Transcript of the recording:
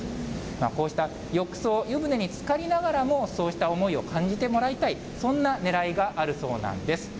こうした浴槽、湯船につかりながらもそうした思いを感じてもらいたい、そんなねらいがあるそうなんです。